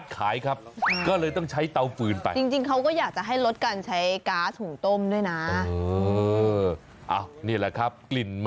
ก็อยากจะบอกเอาไว้